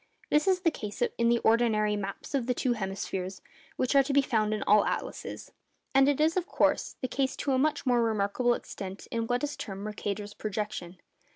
This is the case in the ordinary 'maps of the two hemispheres' which are to be found in all atlases. And it is, of course, the case to a much more remarkable extent in what is termed Mercator's projection.